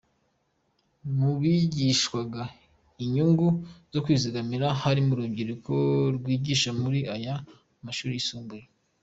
Mubigishwaga inyungu zo kwizigamira harimo n'urubyiruko rw'igisha muri aya mashuri yisumbuye.